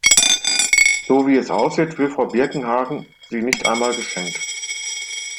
So, wie es aussieht, will Frau Birkenhagen sie nicht einmal geschenkt.